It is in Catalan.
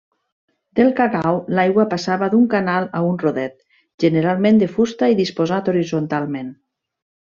Del cacau l'aigua passava d'un canal a un rodet, generalment de fusta i disposat horitzontalment.